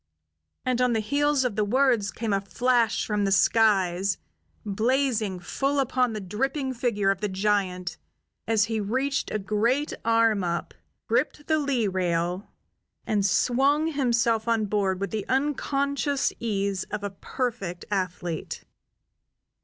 And on the heels of the words came a flash from the skies, blazing full upon the dripping figure of the giant as he reached a great arm up, gripped the lee rail, and swung himself on board with the unconscious ease of a perfect athlete.